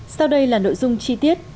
sau đây là nội dung chi tiết